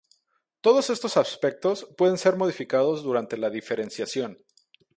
Todos estos aspectos pueden ser modificados durante la diferenciación.